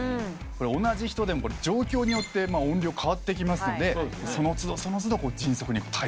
同じ人でも状況によって音量変わっていきますのでその都度その都度迅速に対応していく。